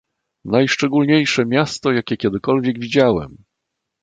"Najszczególniejsze miasto, jakie kiedykolwiek widziałem!"